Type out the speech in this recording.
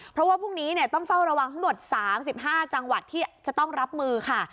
เพราะว่าพรุ่งนี้ต้องเฝ้าระวังทั้งหมด๓๕จังหวัดที่จะต้องรับมือค่ะ